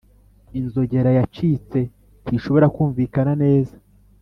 inzogera yacitse ntishobora kumvikana neza.